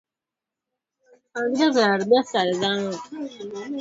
dhidi ya nchi za magharibi zilizoongozwa na Marekani Athira ya Umoja wa Kisovyeti ilipanuka